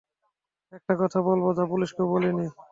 একটা কথা বলব যা পুলিশকেও বলিনি?